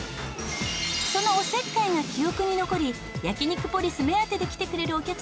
そのおせっかいが記憶に残り焼肉ポリス目当てで来てくれるお客様も多いんだそうですよ。